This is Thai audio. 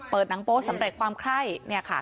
เปิดหนังโปสต์สำเร็จความไข้เนี่ยค่ะ